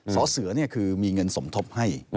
สอเสือนี่คือมีเงินสมทบให้